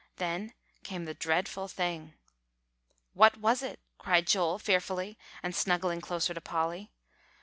Then came the dreadful thing." "What was it?" asked Joel fearfully, and snuggling closer to Polly.